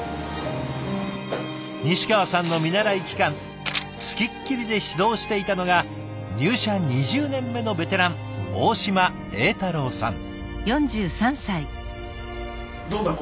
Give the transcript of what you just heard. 西川さんの見習期間付きっきりで指導していたのが入社２０年目のベテラン大島栄太郎さん。